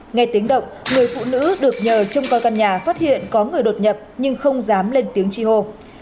nghe tiếng động người phụ nữ được nhờ trông coi căn nhà phát hiện có người đột nhập nhưng không dám lên tiếng chi hô